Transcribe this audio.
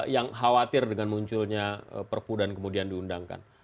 yang khawatir dengan munculnya perpudan kemudian diundangkan